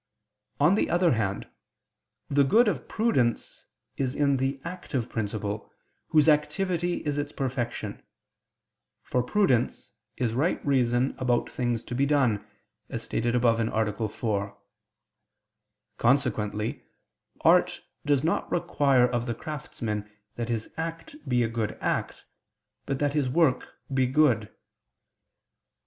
On the other hand, the good of prudence is in the active principle, whose activity is its perfection: for prudence is right reason about things to be done, as stated above (A. 4). Consequently art does not require of the craftsman that his act be a good act, but that his work be good.